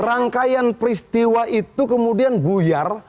rangkaian peristiwa itu kemudian buyar